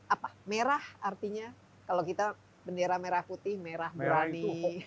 apa merah artinya kalau kita bendera merah putih merah berani